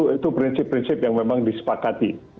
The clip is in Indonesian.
itu prinsip prinsip yang memang disepakati